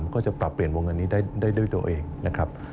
ก็จะปรับเปลี่ยนวงเงินนี้ได้ด้วยตัวเองนะครับ